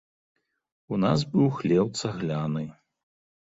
У нас быў хлеў цагляны.